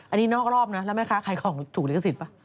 อันนี้นอกรอบนะแล้วแม่ค้าขายของถูกลิขสิทธิป่ะ